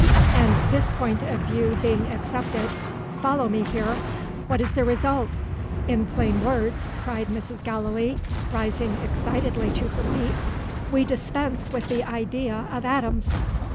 And this point of view being accepted follow me here! what is the result? In plain words," cried Mrs. Gallilee, rising excitedly to her feet, "we dispense with the idea of atoms!"